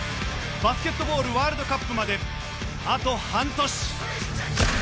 バスケットボールワールドカップまであと半年。